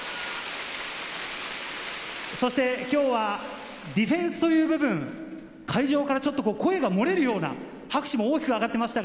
そして今日はディフェンスという部分、会場からちょっと声が漏れるような拍手も大きく上がっていました。